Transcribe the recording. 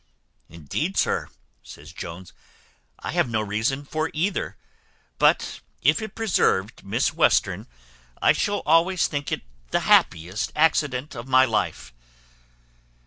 "Indeed, sir," says Jones, "I have no reason for either; but if it preserved Miss Western, I shall always think it the happiest accident of my life."